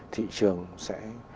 thị trường sẽ